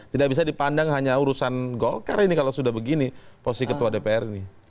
tidak bisa dipandang hanya urusan golkar ini kalau sudah begini posisi ketua dpr ini